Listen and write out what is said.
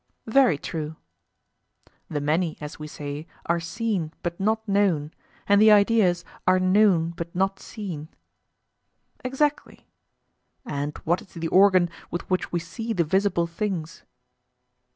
Very true. The many, as we say, are seen but not known, and the ideas are known but not seen. Exactly. And what is the organ with which we see the visible things?